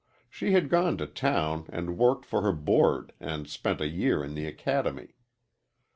She had gone to town and worked for her board and spent a year in the academy.